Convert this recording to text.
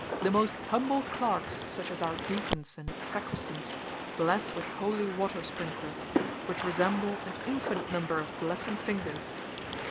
The most humble clerks such as our deacons and sacristans, bless with holy water sprinklers, which resemble an infinite number of blessing fingers.